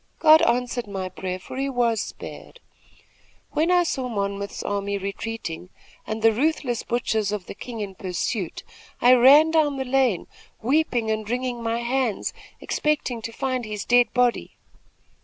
God answered my prayer, for he was spared. When I saw Monmouth's army retreating and the ruthless butchers of the king in pursuit, I ran down the lane, weeping and wringing my hands, expecting to find his dead body.